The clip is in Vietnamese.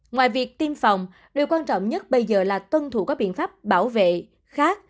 ngoài việc tiêm phòng điều quan trọng nhất bây giờ là tuân thủ các biện pháp bảo vệ khác